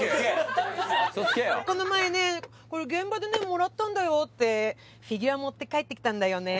この前ねこれ現場でねもらったんだよってフィギュア持って帰ってきたんだよね